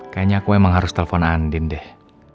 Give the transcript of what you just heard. kayaknya aku emang harus telpon andin deh